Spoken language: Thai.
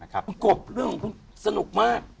คุณกบเรื่องของคุณสนุกมาก